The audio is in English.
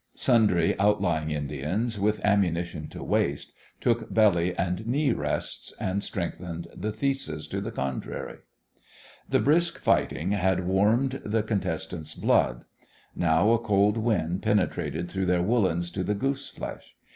Sundry outlying Indians, with ammunition to waste, took belly and knee rests and strengthened the thesis to the contrary. The brisk fighting had warmed the contestants' blood. Now a cold wind penetrated through their woollens to the goose flesh.